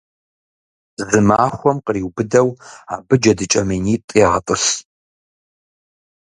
Зы махуэм къриубыдэу абы джэдыкӀэ минитӏ егъэтӏылъ.